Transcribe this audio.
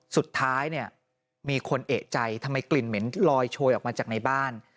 สุดท้ายเนี่ยมีคนเอกใจทำไมกลิ่นเหม็นลอยโชยออกมาจากในบ้าน